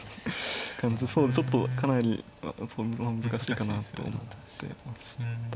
ちょっとかなり難しいかなと思ってました。